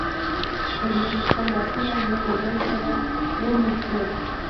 هولمز خپل لاسونه یو له بل سره وموښل.